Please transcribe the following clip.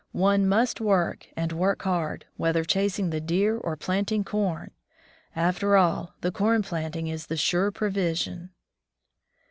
One must work, and work hard, whether chasing the deer or planting com. After all, the corn planting is the surer provision.